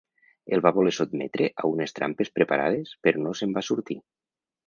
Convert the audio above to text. El va voler sotmetre amb unes trampes preparades però no se'n va sortir.